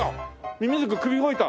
ミミズク首動いた。